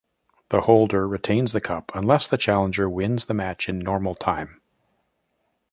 The holder retains the cup unless the challenger wins the match in normal time.